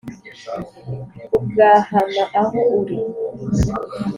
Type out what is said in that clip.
Ugahama aho uri